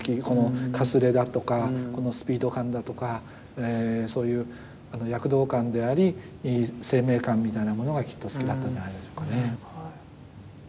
このかすれだとかこのスピード感だとかそういう躍動感であり生命感みたいなものがきっと好きだったんじゃないでしょうかね。